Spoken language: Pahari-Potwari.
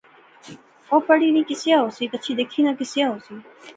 او پڑھی نی سکیا ہوسی گچھی دیکھی نہ سکیا ہوسی